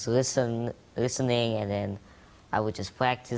tapi saya mendengar dan berlatih